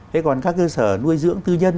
thế còn các cơ sở nuôi dưỡng tư nhân